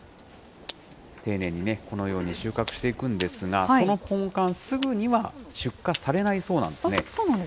丁寧に、このように収穫していくんですが、そのポンカン、すぐには出荷されないそうなんですね。